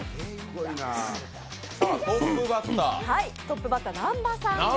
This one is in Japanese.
トップバッターは南波さんです。